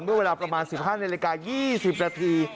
เมื่อเวลาประมาณ๑๕นาฬิกา๒๐นาที